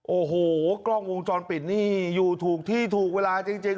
โอ้โหกล้องวงจรปิดนี่อยู่ถูกที่ถูกเวลาจริง